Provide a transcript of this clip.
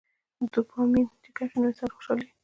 ډوپامين چې کم شي نو د انسان څوشالي